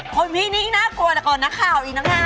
คนพี่นี้น่ากลัวแต่ก่อนนักข่าวอีกนะคะ